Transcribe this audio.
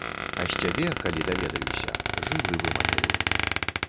А з цябе, калі даведаюся, жылы выматаю.